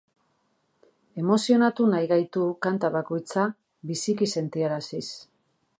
Emozionatu nahi gaitu kanta bakoitza biziki sentiaraziz.